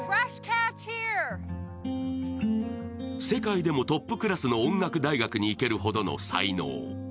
世界でもトップクラスの音楽大学に行けるほどの才能。